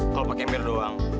kalau pakai ember doang